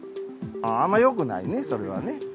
あんまよくないね、それはね。